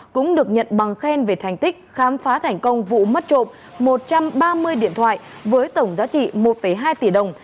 cũng được nhận bằng khen về thành tích khám phá thành công vụ mất trộm một trăm ba mươi điện thoại với tổng giá trị một hai tỷ đồng